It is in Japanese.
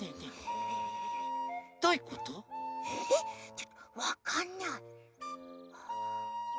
ちょっとわかんない。